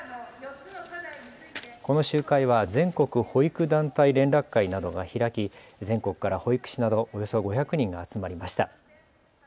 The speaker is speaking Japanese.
この集会は全国保育団体連絡会などが開き、全国から保育士などおよそ５００人が集まりました。